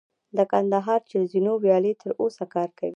د کندهار چل زینو ویالې تر اوسه کار کوي